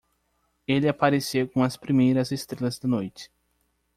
Ele apareceu com as primeiras estrelas da noite.